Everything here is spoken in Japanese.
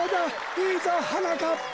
いいぞはなかっぱ！